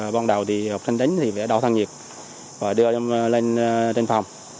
ban đầu học sinh đến thì phải đo thăng nhiệt và đưa lên phòng